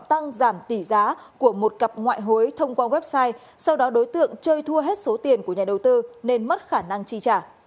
giảm tỷ giá của một cặp ngoại hối thông qua website sau đó đối tượng chơi thua hết số tiền của nhà đầu tư nên mất khả năng chi trả